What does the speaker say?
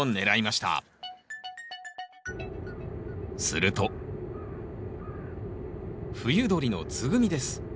すると冬鳥のツグミです。